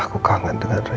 aku kangen dengan rena